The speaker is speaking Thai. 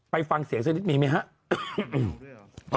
ไปฟังเสียเสียงเสียดิบมีมั้ยฮะ